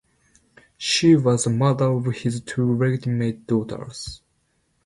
She was the mother of his two legitimate daughters.